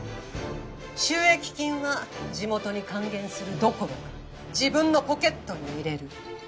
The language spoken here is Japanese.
収益金は地元に還元するどころか自分のポケットに入れる。